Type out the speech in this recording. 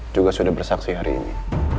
juga sudah bersaksi hari ini